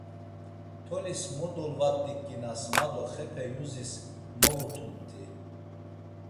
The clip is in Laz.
Tolis mo dolvat̆iǩinas ma do xepe yuzis movutumt̆i.